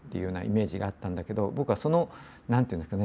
僕はその何て言うんですかね